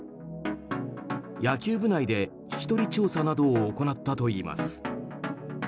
野球部内で聞き取り調査などを行ったといいます。